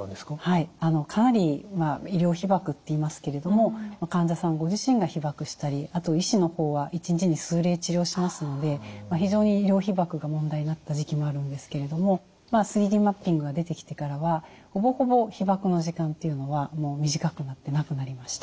はいかなり医療被ばくっていいますけれども患者さんご自身が被ばくしたりあと医師の方は一日に数例治療しますので非常に医療被ばくが問題になった時期もあるんですけれども３Ｄマッピングが出てきてからはほぼほぼ被ばくの時間というのは短くなってなくなりました。